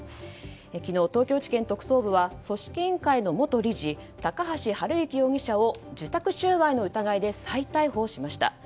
昨日、東京地検特捜部は組織委員会の元理事高橋治之容疑者を受託収賄の疑いで再逮捕しました。